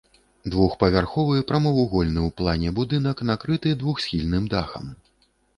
Двухпавярховы прамавугольны ў плане будынак накрыты двухсхільным дахам.